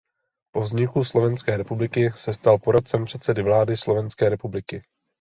Po vzniku Slovenské republiky se stal poradcem předsedy vlády Slovenské republiky.